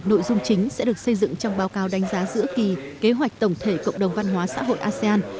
nội dung chính sẽ được xây dựng trong báo cáo đánh giá giữa kỳ kế hoạch tổng thể cộng đồng văn hóa xã hội asean